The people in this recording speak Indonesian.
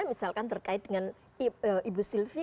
misalkan terkait dengan ibu sylvi